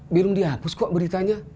belum dihapus kok beritanya